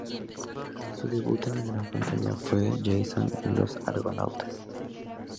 Su debut en la gran pantalla fue con "Jason y los argonautas".